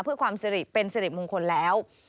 เพื่อความสิริเป็นสิริมงคลแล้ว